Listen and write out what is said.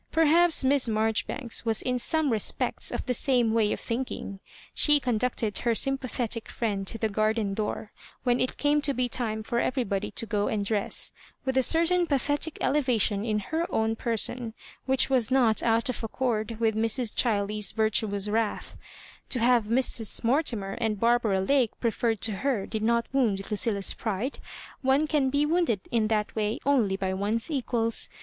Per haps Miss Marjoribanks was in some respects of the same way of thinking. She conducted her sympathetic friend to the garden d^yor, when it came to be time for everybody to go and dress, with a certain pathetic elevation in her own per son, which was not out of accord with Mrs. Chiley's virtuous wrath, to have Mrs. Mortimer and Barbara Lake preferred to her did not wound Lucilla's pride— one can be wounded in that way only by one's equals.